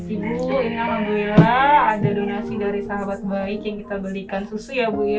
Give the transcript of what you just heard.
ibu ingin mengambil donasi dari sahabat baik yang kita belikan susu ya